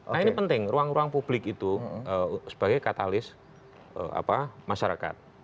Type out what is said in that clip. nah ini penting ruang ruang publik itu sebagai katalis masyarakat